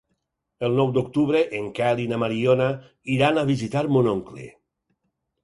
El nou d'octubre en Quel i na Mariona iran a visitar mon oncle.